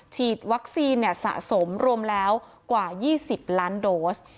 ฉีดวัคซีนสะสมรวมแล้วกว่า๒๐ล้านโดส